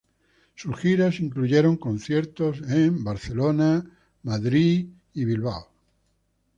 Sus giras incluyeron conciertos en Los Ángeles, Chicago y Nueva York.